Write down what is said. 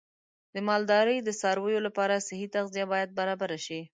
د مالدارۍ د څارویو لپاره صحي تغذیه باید برابر شي.